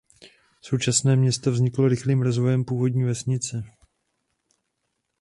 Současné město vzniklo rychlým rozvojem původní vesnice.